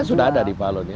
sudah ada di palo nih